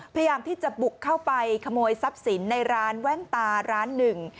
พยายามที่จะบุกเข้าไปขโมยทรัพย์สินในร้านแว่นตาร้านหนึ่ง